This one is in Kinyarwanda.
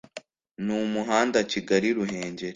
n’umuhanda Kigali-Ruhengeri